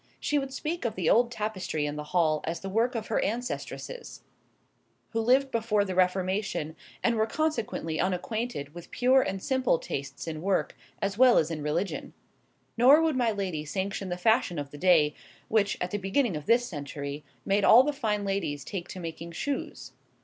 She would speak of the old tapestry in the hall as the work of her ancestresses, who lived before the Reformation, and were consequently unacquainted with pure and simple tastes in work, as well as in religion. Nor would my lady sanction the fashion of the day, which, at the beginning of this century, made all the fine ladies take to making shoes.